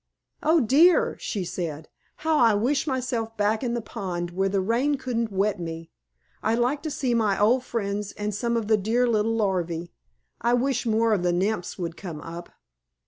"Oh dear!" she said. "How I wish myself back in the pond where the rain couldn't wet me. I'd like to see my old friends and some of the dear little larvæ. I wish more of the Nymphs would come up."